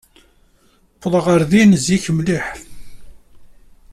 Wwḍeɣ ɣer din zik mliḥ.